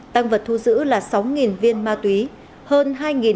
tăng vật thu giữ là sáu viên ma túy hơn hai năm trăm linh